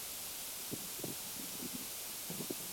有子萧士赟。